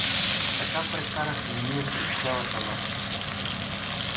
Така прекарахме ние през цялата нощ.